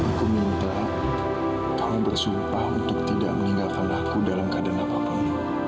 aku minta kamu bersumpah untuk tidak meninggalkan aku dalam keadaan apapun